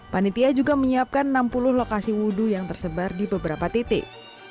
panitia juga menyiapkan enam puluh lokasi wudhu yang tersebar di beberapa titik